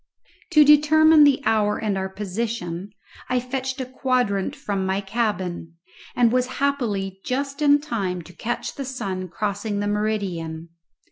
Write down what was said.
To determine the hour and our position I fetched a quadrant from my cabin, and was happily just in time to catch the sun crossing the meridian.